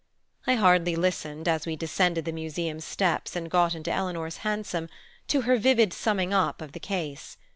I hardly listened, as we descended the Museum steps and got into Eleanor's hansom, to her vivid summing up of the case.